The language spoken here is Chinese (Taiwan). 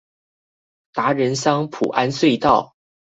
達仁鄉菩安隧道